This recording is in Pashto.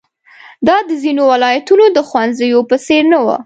دا د ځینو ولایتونو د ښوونځیو په څېر نه وه.